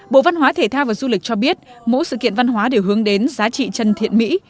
bộ văn hóa thể thao và du lịch cho biết mỗi sự kiện văn hóa đều hướng đến giá trị chân thiện mỹ